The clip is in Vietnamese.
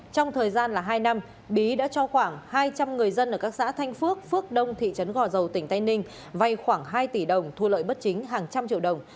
trong thời gian hai năm bí đã cho khoảng hai trăm linh người dân ở các xã thanh phước phước đông thị trấn gò dầu tỉnh tây ninh vay khoảng hai tỷ đồng thu lợi bất chính hàng trăm triệu đồng